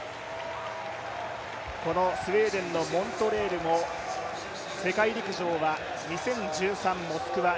このスウェーデンのモントレールも世界陸上は２０１３モスクワ、１５